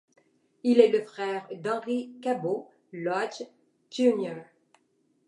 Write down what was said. Il est le frère d'Henry Cabot Lodge, Jr.